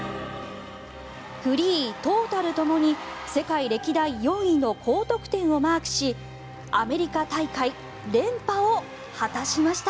フリー、トータルともに世界歴代４位の高得点をマークしアメリカ大会連覇を果たしました。